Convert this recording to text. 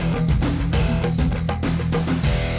dan di terminal